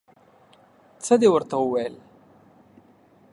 څه دې ورته وویل؟